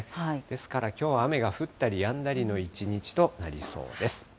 ですから、きょうは雨が降ったりやんだりの一日となりそうです。